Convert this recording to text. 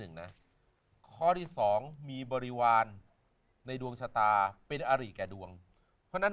นะข้อที่สองมีบริวารในดวงชะตาเป็นอาริแก่ดวงเพราะฉะนั้น